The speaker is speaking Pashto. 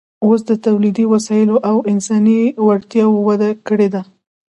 اوس د تولیدي وسایلو او انساني وړتیاوو وده کړې ده